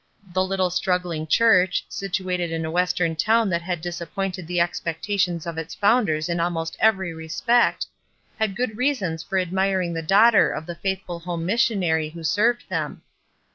The little struggling church, situated in a west ern town that had disappointed the expecta tions of its founders in almost every respect, had good reasons for admiring the daughter of the faithful home missionary who served them.